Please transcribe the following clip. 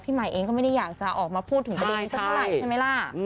ใหม่เองก็ไม่ได้อยากจะออกมาพูดถึงประเด็นนี้สักเท่าไหร่ใช่ไหมล่ะ